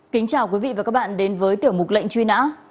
kính chào quý vị và các bạn đến với tiểu mục lệnh truy nã